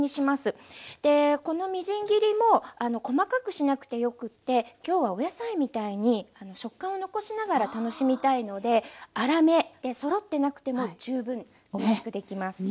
このみじん切りも細かくしなくてよくって今日はお野菜みたいに食感を残しながら楽しみたいので粗めでそろってなくても十分おいしくできます。